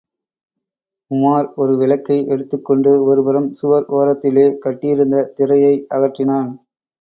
உமார் ஒரு விளக்கை எடுத்துக் கொண்டு ஒருபுறம் சுவர் ஒரத்திலே கட்டியிருந்த திரையை அகற்றினான்.